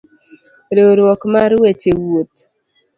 Riwruok mar weche wuoth